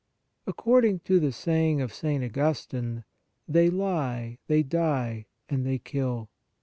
According to the saying of St. Augustine, " They lie, they die, and they kill."